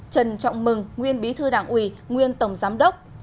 trần trọng mừng nguyên bí thư đảng ủy nguyên tổng giám đốc